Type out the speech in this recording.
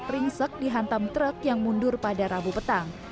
ringsek dihantam truk yang mundur pada rabu petang